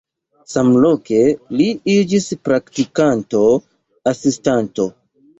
Samloke li iĝis praktikanto, asistanto.